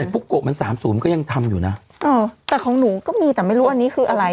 ปุ๊กโกะมันสามศูนย์ก็ยังทำอยู่นะแต่ของหนูก็มีแต่ไม่รู้อันนี้คืออะไร